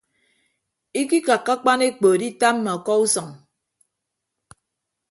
Ikakkakak akpan ekpo editamma ọkọ usʌñ.